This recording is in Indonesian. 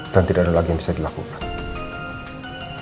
dan tidak ada lagi yang bisa dilakukan